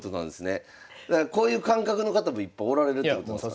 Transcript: だからこういう感覚の方もいっぱいおられるということなんですか？